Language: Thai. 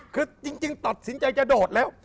คือจริงตัดสินใจจะโดดแล้ว